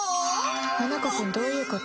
花子くんどういうこと？